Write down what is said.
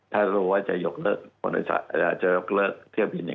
ถ้ารู้ว่าจะยกเลิกเที่ยวบิน